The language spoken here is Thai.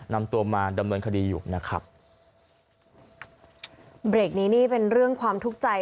นำตัวมาดำเนินคดีอยู่นะครับเบรกนี้นี่เป็นเรื่องความทุกข์ใจ